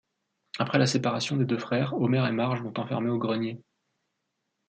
Après la séparation des deux frères, Homer et Marge l'ont enfermé au grenier...